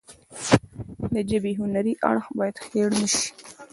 د ژبې هنري اړخ باید هیر نشي.